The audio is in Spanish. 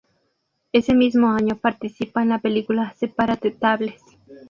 Ese mismo año participa en la película "Separate Tables".